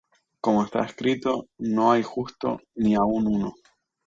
Como está escrito: No hay justo, ni aun uno;